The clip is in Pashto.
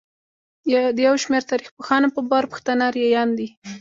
د يوشمېر تاريخپوهانو په باور پښتانه اريايان دي.